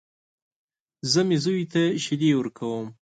زه مې زوی ته شيدې ورکوم.